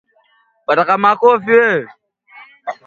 Katika miaka ya elfu moja mia tisa na tisini